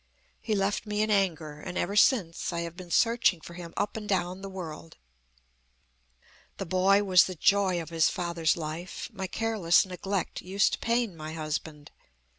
He left me in anger; and ever since I have been searching for Him up and down the world. "The boy was the joy of his father's life. My careless neglect used to pain my husband.